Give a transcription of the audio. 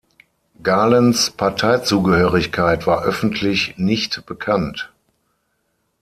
Galens Parteizugehörigkeit war öffentlich nicht bekannt.